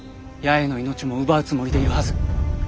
八重の命も奪うつもりでいるはず。